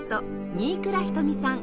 新倉瞳さん